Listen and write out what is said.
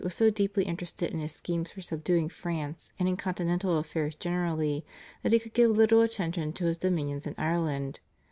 was so deeply interested in his schemes for subduing France and in continental affairs generally that he could give little attention to his dominions in Ireland.